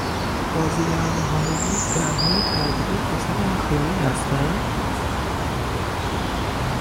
بازیگران هالیوود در حال ترویج فساد اخلاقی هستند